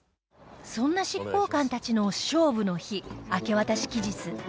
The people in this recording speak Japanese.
そんな執行官たちの勝負の日明け渡し期日